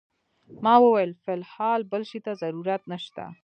ما وویل فی الحال بل شي ته ضرورت نه شته.